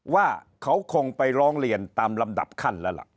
ว่าเขาคงไปร้องเรียนตามลำดับขั้นแล้วล่ะ